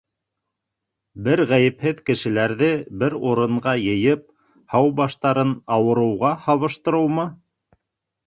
Бер ғәйепһеҙ кешеләрҙе бер урынға йыйып, һау баштарын ауырыуға һабыштырыумы?